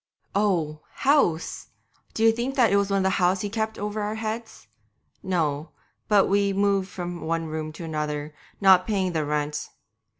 'Oh! "house"! d'ye think it was one house he kept over our heads? No, but we moved from one room to another, not paying the rent.